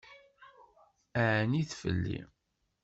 Ɛennit fell-i.